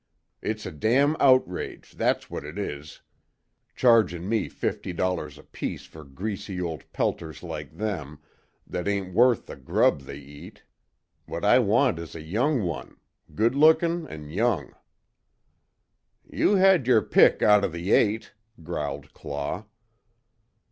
It's a damn outrage that's what it is! Chargin' me fifty dollars apiece fer greasy old pelters like them, that ain't worth the grub they eat! What I want is a young one good lookin' an' young." "You had yer pick out of the eight," growled Claw.